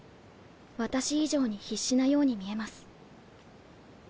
私以上に必死なように見えます。